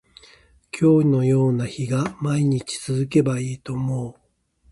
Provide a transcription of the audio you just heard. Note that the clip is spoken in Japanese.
今日のような日が毎日続けばいいと思う